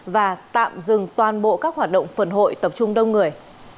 và tạm dừng toàn bộ các hoạt động phần hội tập trung đông người